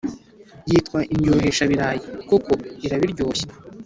Yitwa "Indyohesha birayi koko irabiryoshya